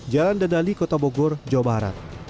jalan dan dali kota bogor jawa barat